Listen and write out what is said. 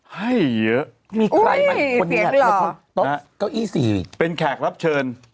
ให้เยอะมีใครไหมเป็นแขกรับเชิญ